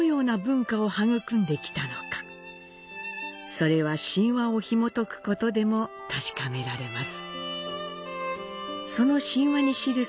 それは神話をひもとくことでも確かめられます。